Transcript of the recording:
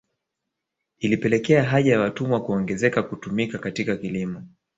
Ilipelekea haja ya watumwa kuongezeka kutumika katika kilimo